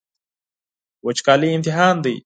وچکالي امتحان دی.